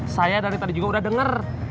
saya dari tadi juga udah dengar